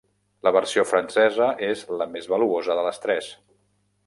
La versió francesa és la més valuosa de les tres.